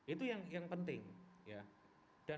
itu yang penting ya